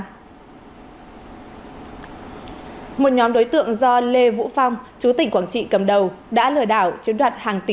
một nhóm đối tượng do lê vũ phong chú tỉnh quảng trị cầm đầu đã lừa đảo chiếm đoạt hàng tỷ